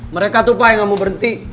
mereka tuh pak yang gak mau berhenti